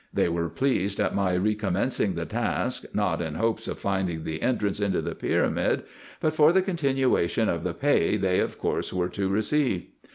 They were pleased at my recommencing the task, not in hopes of finding the entrance into the pyramid, but for the continuation of the pay they of course were to receive.